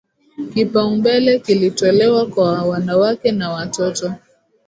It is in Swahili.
kipaumbele kilitolewa kwa wanawake na watoto